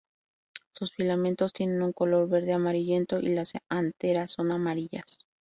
Sus filamentos tienen un color verde amarillento, y las anteras son amarillas.